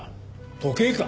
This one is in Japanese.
時計か？